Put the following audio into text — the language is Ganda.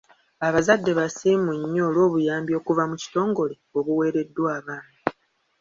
Abazadde basiimu nnyo olw'obuyambi okuva mu kitongole obuwereddwa abaana.